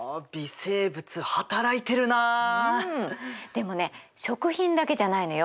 でもね食品だけじゃないのよ。